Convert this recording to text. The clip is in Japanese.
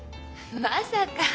まさか！